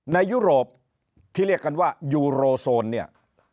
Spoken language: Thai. ยุโรปที่เรียกกันว่ายูโรโซนเนี่ย